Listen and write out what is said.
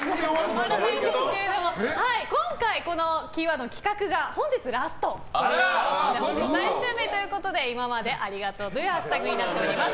終わらないですが今回、このキーワードの企画が本日ラストということで本日最終日ということで今までありがとうというハッシュタグになっております。